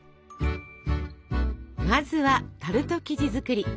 まずはタルト生地作り。